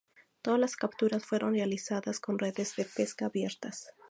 Todas las capturas fueron realizadas con redes de pesca abiertas.